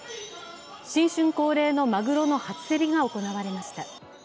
新春恒例のまぐろの初競りが行われました。